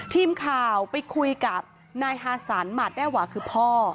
ทีมข่าวไปคุยกับนายฮาสันหมาดแด้หวาคือพ่อ